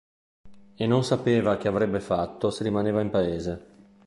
E non sapeva che avrebbe fatto se rimaneva in paese.